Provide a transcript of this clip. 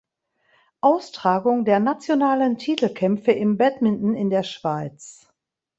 Austragung der nationalen Titelkämpfe im Badminton in der Schweiz.